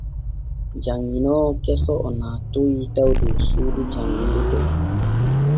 Janŋinoowo keso o naatoy taw der suudu janŋirde.